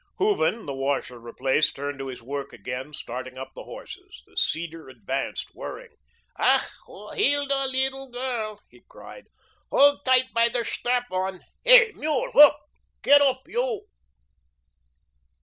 Hooven, the washer replaced, turned to his work again, starting up the horses. The seeder advanced, whirring. "Ach, Hilda, leedle girl," he cried, "hold tight bei der shdrap on. Hey MULE! Hoop! Gedt oop, you."